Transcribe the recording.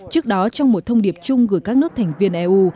trước đó trong một thông điệp chung gửi các nước thành viên eu